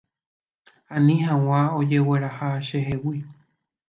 Ani hag̃ua ojegueraha chehegui.